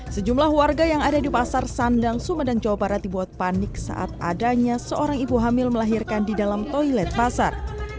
sejumlah warga yang ada di pasar sandang sumedang jawa barat dibuat panik saat adanya seorang ibu hamil melahirkan di dalam toilet pasar